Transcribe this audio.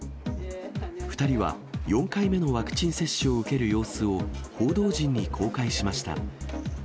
２人は、４回目のワクチン接種を受ける様子を報道陣に公開しました。